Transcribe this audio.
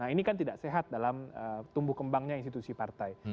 ini kan tidak sehat dalam tumbuh kembangnya institusi partai